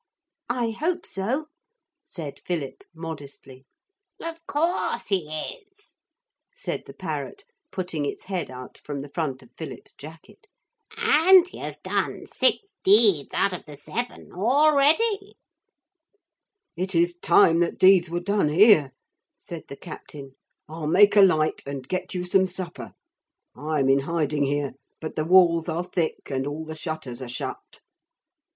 'I hope so,' said Philip modestly. 'Of course he is,' said the parrot, putting its head out from the front of Philip's jacket; 'and he has done six deeds out of the seven already.' 'It is time that deeds were done here,' said the captain. 'I'll make a light and get you some supper. I'm in hiding here; but the walls are thick and all the shutters are shut.'